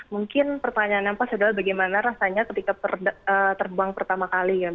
mungkin pertanyaan yang pas adalah bagaimana rasanya ketika terbang pertama kali